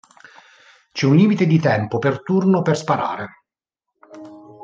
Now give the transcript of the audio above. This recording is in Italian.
C'è un limite di tempo per turno per sparare.